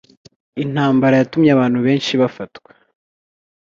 Intambara yatumye abantu benshi bafatwa